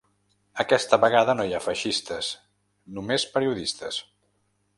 Aquesta vegada no hi ha feixistes, només periodistes.